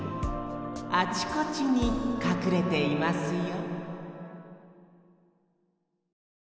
あちこちにかくれていますよ